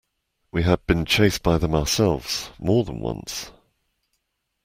We had been chased by them ourselves, more than once.